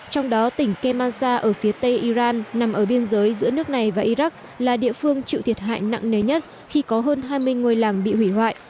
trong đó tỉnh kemansa ở phía tây iran nằm ở biên giới giữa nước này và iraq là địa phương chịu thiệt hại nặng nề nhất khi có hơn hai mươi ngôi làng bị hủy hoại